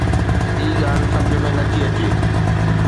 ٻي ڳالهه سمجھ ۾ نٿي اچي.